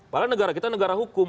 padahal negara kita negara hukum